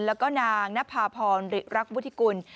แล้วก็นางนภาพรริรักวุฒิกุล